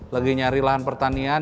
lagi nyari lahan pertanian